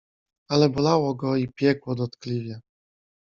"Ale bolało go i piekło dotkliwie."